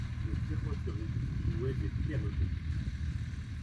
Les verroteries jouaient les pierreries.